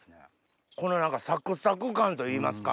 このサクサク感といいますか。